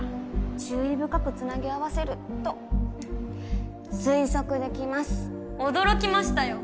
注意深くつなぎ合わせると推測できま驚きましたよ